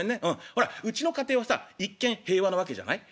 ほらうちの家庭はさ一見平和なわけじゃない？